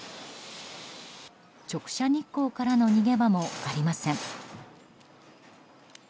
直射日光からの逃げ場もありません。